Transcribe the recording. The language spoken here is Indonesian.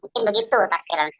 mungkin begitu takdiran saya